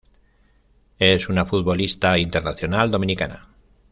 Es una futbolista internacional Dominicana.